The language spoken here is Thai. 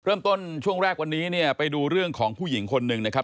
เริ่มต้นช่วงแรกวันนี้เนี่ยไปดูเรื่องของผู้หญิงคนหนึ่งนะครับ